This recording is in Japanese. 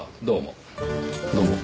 どうも。